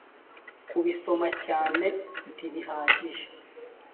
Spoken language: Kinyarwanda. kubisoma cyane ntibihagije